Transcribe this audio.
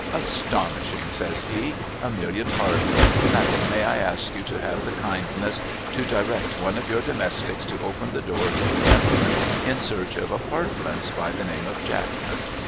' Astonishing !' says he. ' A million pardons ! Madam, may I ask you to have the kindness to direct one of your domestics to open the door to a gentleman in search of apartments, by the name of Jackman